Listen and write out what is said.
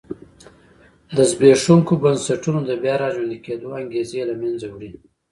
د زبېښونکو بنسټونو د بیا را ژوندي کېدو انګېزې له منځه وړي.